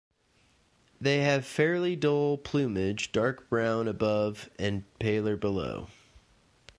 They have fairly dull plumage, dark brown above and paler below.